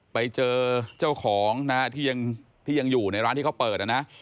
ไปเจอเจ้าของนะที่ยังอยู่ในร้านที่เขาเปิดนะ